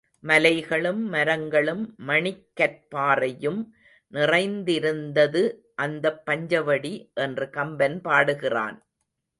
மலைகளும் மரங்களும் மணிக்கற்பாறையும் நிறைந்திருந்தது அந்தப் பஞ்சவடி என்று கம்பன் பாடுகிறான்.